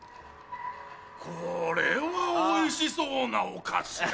これはおいしそうなお菓子だ。